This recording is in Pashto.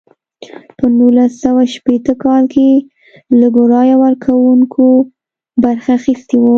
په نولس سوه شپیته کال کې لږو رایه ورکوونکو برخه اخیستې وه.